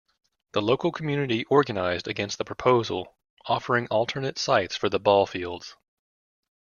The local community organized against the proposal, offering alternate sites for the ball fields.